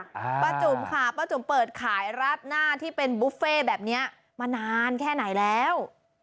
ป้าจุ๋มค่ะป้าจุ๋มเปิดขายราดหน้าที่เป็นบุฟเฟ่แบบเนี้ยมานานแค่ไหนแล้ว